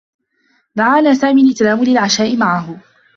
دعانا سامي لتناول العشاء معه.